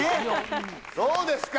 どうですか？